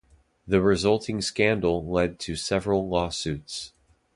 The resulting scandal led to several lawsuits.